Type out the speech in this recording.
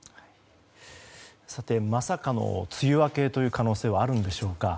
さて、まさかの梅雨明けという可能性はあるでしょうか。